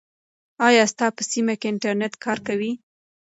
آیا ستا په سیمه کې انټرنیټ کار کوي؟